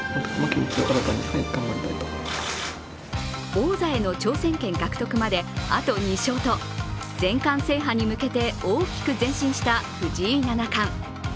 王座への挑戦権獲得まであと２勝と全冠制覇に向けて大きく前進した藤井七冠。